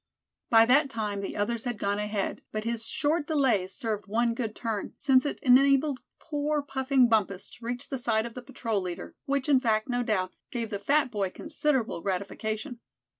By that time the others had gone ahead, but his short delay served one good turn, since it enabled poor puffing Bumpus to reach the side of the patrol leader, which fact, no doubt, gave the fat boy considerable gratification.